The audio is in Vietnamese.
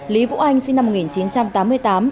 lý vũ anh sinh năm một nghìn chín trăm tám mươi tám